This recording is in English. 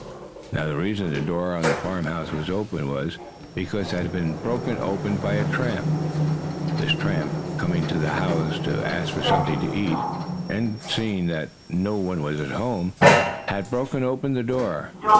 Now the reason the door of the farmhouse was open was because it had been broken open by a tramp! This tramp, coming to the house to ask for something to eat and seeing that no one was at home, had broken open the door.